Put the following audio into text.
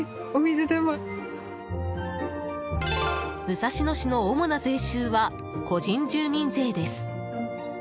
武蔵野市の主な税収は個人住民税です。